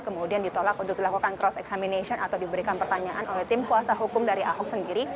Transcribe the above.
kemudian ditolak untuk dilakukan cross examination atau diberikan pertanyaan oleh tim kuasa hukum dari ahok sendiri